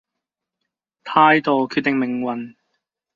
態度決定命運